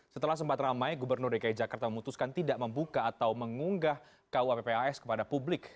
setelah sempat ramai gubernur dki jakarta memutuskan tidak membuka atau mengunggah kuappas kepada publik